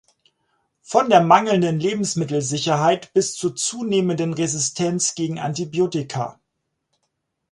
Von der mangelnden Lebensmittelsicherheit bis zur zunehmenden Resistenz gegen Antibiotika.